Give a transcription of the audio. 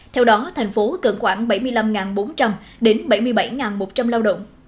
theo đó thành phố cần khoảng bảy mươi năm bốn trăm linh đến bảy mươi bảy một trăm linh lao động